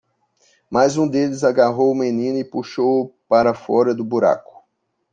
Mas um deles agarrou o menino e puxou-o para fora do buraco.